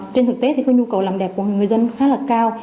trên thực tế nhu cầu làm đẹp của người dân khá là cao